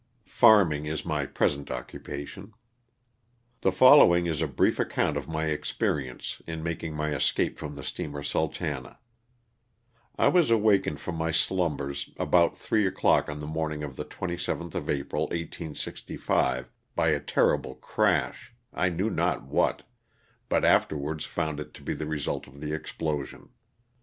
Farming is my present occupation. The following is a brief account of my experience in making my escape from the steamer '* Sultana:" I was awakened from my slumbers about three o'clock on the morning of the 27th of April, 1865, by a terri ble crash, I knew not what, but afterwards found it to be the result of the explosion.